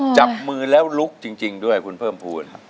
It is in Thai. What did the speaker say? จับมือแล้วลุกจริงด้วยคุณเพิ่มภูมิ